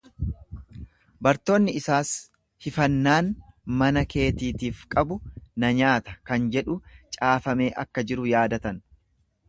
Bartoonni isaas, Hifannaan mana keetiitiif qabu na nyaata kan jedhu caafamee akka jiru yaadatan.